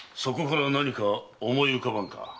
そこから何か思い浮かばぬか？